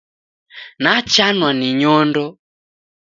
Nachanwa ni nyondo.